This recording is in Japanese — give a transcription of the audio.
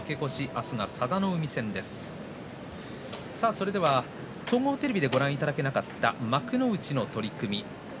それでは総合テレビでご覧いただけなかった幕内の取組。